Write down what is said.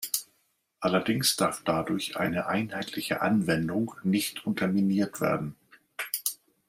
Allerdings darf dadurch eine einheitliche Anwendung nicht unterminiert werden.